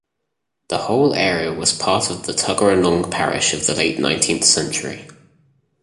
The whole area was part of the Tuggeranong parish in the late nineteenth century.